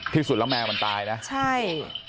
ที่สุดแล้วแมวมันตายนะใช่